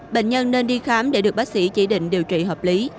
bệnh nhân nên đi khám để được bác sĩ chỉ định điều trị hợp lý